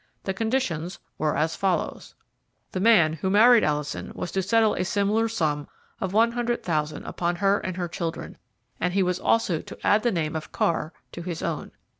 The conditions were as follows: "The man who married Alison was to settle a similar sum of one hundred thousand upon her and her children, and he was also to add the name of Carr to his own.